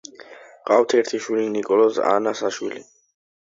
ჰყავს ერთი შვილი, ნიკოლოზ ანასაშვილი.